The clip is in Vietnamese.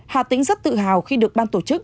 hà tĩnh rất tự hào khi được ban tổ chức